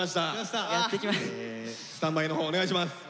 スタンバイのほうお願いします。